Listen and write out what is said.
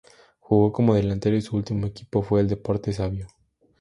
Jugó como delantero y su último equipo fue el Deportes Savio.